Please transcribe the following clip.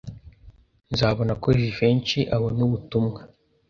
Nzabona ko Jivency abona ubutumwa.